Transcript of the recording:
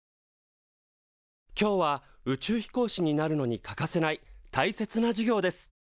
今日は宇宙飛行士になるのに欠かせないたいせつな授業です。